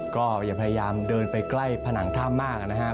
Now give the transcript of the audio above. ก็อย่าพยายามเดินไปใกล้ผนังถ้ำมากนะฮะ